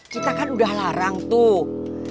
kita kan udah larang tuh